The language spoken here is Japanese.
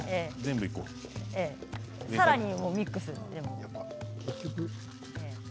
さらにミックスでも。